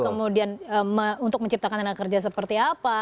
kemudian untuk menciptakan tenaga kerja seperti apa